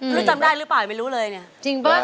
รู้จำได้หรือเปล่าให้ไม่รู้เลยเนี่ย